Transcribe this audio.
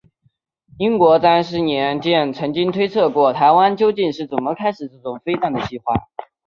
英国詹氏年鉴曾经推测过台湾究竟是怎么开始这种飞弹的计划。